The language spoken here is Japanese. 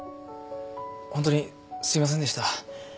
ホントにすいませんでした。